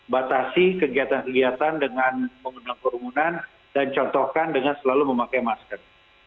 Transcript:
batasi kegiatan kegiatan dengan menggunakan kerumunan dan contohkan dengan selalu memakai masker